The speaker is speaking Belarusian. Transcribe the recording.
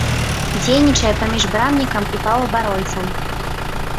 Дзейнічае паміж брамнікам і паўабаронцам.